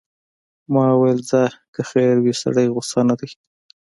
ما ویل ځه که خیر وي، سړی غوسه نه دی.